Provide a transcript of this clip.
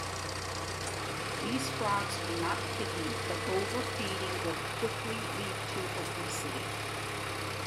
These frogs are not picky but overfeeding will quickly lead to obesity.